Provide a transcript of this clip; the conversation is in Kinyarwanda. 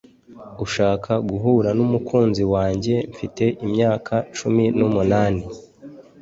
ushaka guhura n'umukunzi wanjye mfite imyaka cumi n'umunani